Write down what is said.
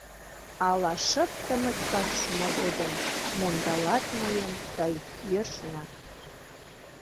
Ала шып тымык кас шумо годым Мондалат мыйым тый йӧршынак.